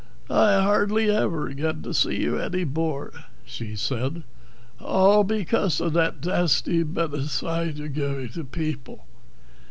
"I hardly ever gedt to see you eddy bore," she said. "All because of that dasty bedicide you're givig people."